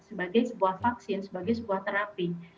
sebagai sebuah vaksin sebagai sebuah terapi